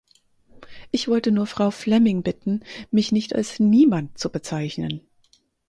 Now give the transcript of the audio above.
Ich wollte nur Frau Flemming bitten, mich nicht als Niemand zu bezeichnen!